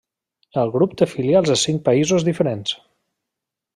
El grup té filials en cinc països diferents: